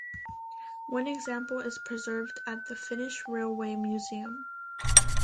One example is preserved at the Finnish Railway Museum.